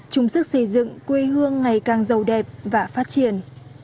chung sức xây dựng quê hương ngày càng giàu đẹp và phát triển